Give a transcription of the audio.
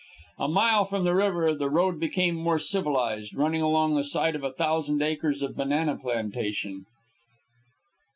A mile from the river, the road became more civilized, running along the side of a thousand acres of banana plantation.